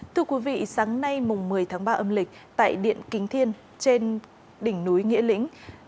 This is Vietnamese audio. thưa quý vị sáng nay mùng một mươi tháng ba âm lịch tại điện kính thiên trên đỉnh núi nghĩa lĩnh